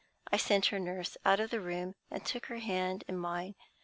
I sent her nurse out of the room, and took her hand in mine.